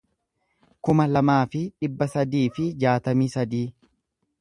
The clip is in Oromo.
kuma lamaa fi dhibba sadii fi jaatamii sadii